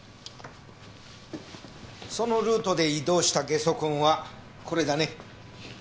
そのルートで移動したゲソ痕はこれだね。